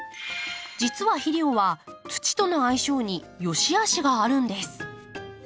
実は肥料は土との相性によしあしがあるんです。